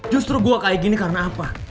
justru gue kayak gini karena apa